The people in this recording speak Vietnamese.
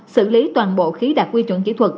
xử lý toàn bộ khí đạt quy chuẩn kỹ thuật